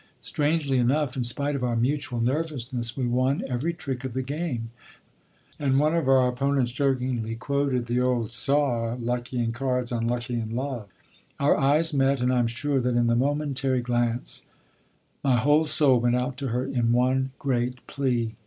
Strangely enough, in spite of our mutual nervousness, we won every trick of the game, and one of our opponents jokingly quoted the old saw: "Lucky at cards, unlucky in love." Our eyes met and I am sure that in the momentary glance my whole soul went out to her in one great plea.